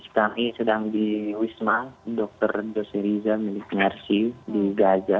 kami sedang di wisma dr dose riza milik mersi di gaza